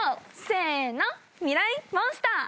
せーのミライ☆モンスター。